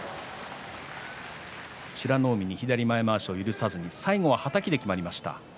美ノ海、左の前まわしを許さずに最後ははたきできめました。